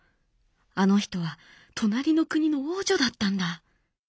あの人は隣の国の王女だったんだ！」。